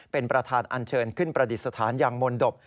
เป็นประธานอันเชิญขึ้นประดิษฐานอย่างมนตบ